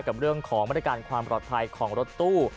กับเรื่องของมาตรการความปลอดภัยของรถตู้